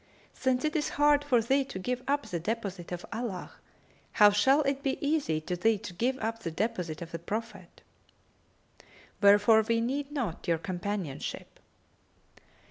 Since it is hard for thee to give up the deposit of Allah, how shall it be easy to thee to give up the deposit of the Prophet?[FN#274] Wherefore we need not your companionship."